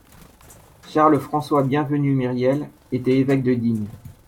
Charles-François-Bienvenu Myriel était évêque de Digne